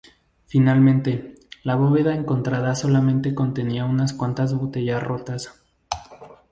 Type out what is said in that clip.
Finalmente, la bóveda encontrada solamente contenía unas cuantas botellas rotas.